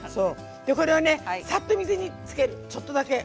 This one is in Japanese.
これをねさっと水につけるちょっとだけ。